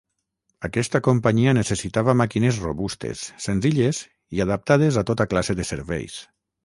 Aquesta companyia necessitava màquines robustes, senzilles i adaptades a tota classe de serveis.